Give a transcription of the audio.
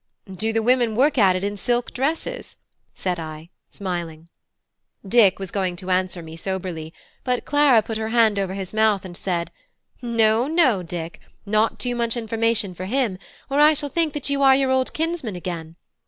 "Do the women work at it in silk dresses?" said I, smiling. Dick was going to answer me soberly; but Clara put her hand over his mouth, and said, "No, no, Dick; not too much information for him, or I shall think that you are your old kinsman again.